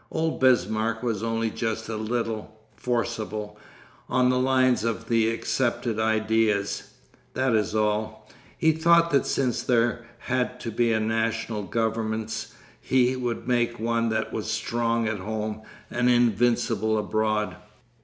Old Bismarck was only just a little—forcible, on the lines of the accepted ideas. That is all. He thought that since there had to be national governments he would make one that was strong at home and invincible abroad.